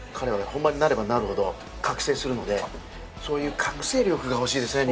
本番になればなるほど覚醒するのでそういう覚醒力が欲しいですね